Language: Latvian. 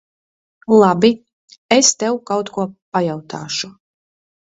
Labi. Es tev kaut ko pajautāšu.